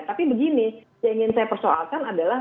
tapi begini yang ingin saya persoalkan adalah